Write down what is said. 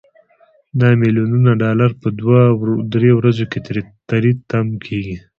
دا ملیونونه ډالر په دوه درې ورځو کې تري تم کیږي.